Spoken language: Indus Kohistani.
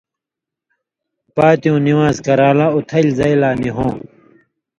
پاتیوں نِوان٘ز کران٘لہ اُتھل زئ لا نی ہوں